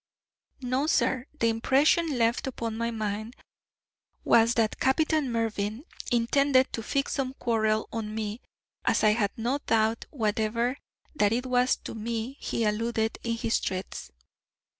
"No, sir. The impression left upon my mind was that Captain Mervyn intended to fix some quarrel on me, as I had no doubt whatever that it was to me he alluded in his threats.